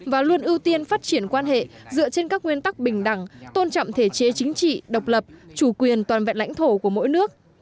và luôn ưu tiên phát triển quan hệ dựa trên các nguyên tắc bình đẳng tôn trọng thể chế chính trị độc lập chủ quyền toàn vẹn lãnh thổ của mỗi nước